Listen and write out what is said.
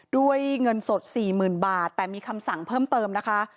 ด้วยเงินสด๔๐๐๐บาทแต่มีคำสั่งเพิ่มเติมนะคะ